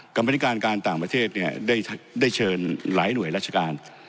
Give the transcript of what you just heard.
กรรมธิการการต่างประเทศเนี่ยได้เชิญหลายหน่วยราชการ